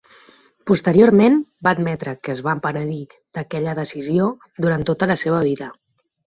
Posteriorment, va admetre que es va penedir d'aquella decisió durant tota la seva vida.